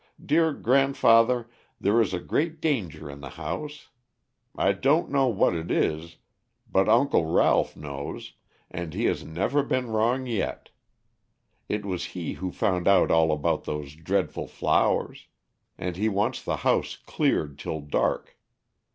Dear grandfather, there is a great danger in the house. I don't know what it is, but Uncle Ralph knows, and he has never been wrong yet. It was he who found out all about those dreadful flowers. And he wants the house cleared till dark.